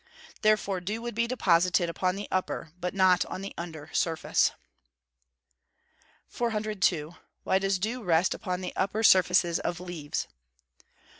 Therefore dew would be deposited upon the upper, but not on the under surface. 402. _Why does dew rest upon the upper surfaces of leaves?